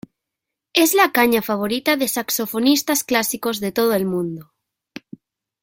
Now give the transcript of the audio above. Es la caña favorita de saxofonistas clásicos de todo el mundo.